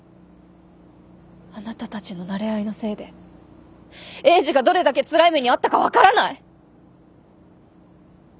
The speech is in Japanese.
あなたたちのなれ合いのせいでエイジがどれだけつらい目に遭ったか分からない？